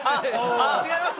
違います！